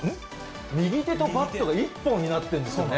右手とバットが一本になってるんですよね。